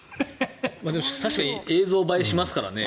確かに映像映えしますからね。